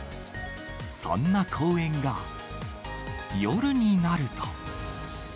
そんな公園が、夜になると。